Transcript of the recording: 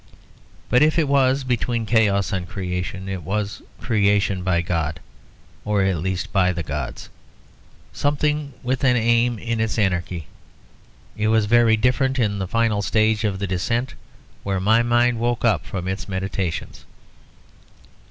But if it was between chaos and creation, it was creation by God or at least by the gods, something with an aim in its anarchy. It was very different in the final stage of the descent, where my mind woke up from its meditations.